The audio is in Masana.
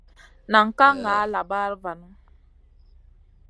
Nan ka ŋa labaɗa vanu.